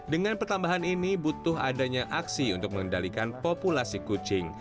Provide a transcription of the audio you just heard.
dengan pertambahan ini butuh adanya aksi untuk mengendalikan populasi kucing